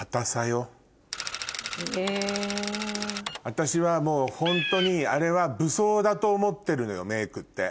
私はもうホントにあれは武装だと思ってるのよメイクって。